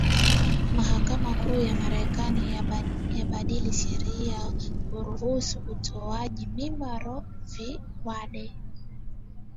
Mahakama Kuu ya Marekani yabadili sheria ya kuruhusu utoaji mimba Roe V Wade